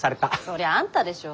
そりゃああんたでしょ？